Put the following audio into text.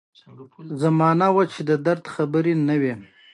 مناسب تخم د ښه حاصل د ترلاسه کولو کلي ده.